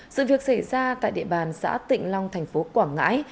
sự việc xảy ra tại địa bàn xã tịnh long thành phố quảng ngãi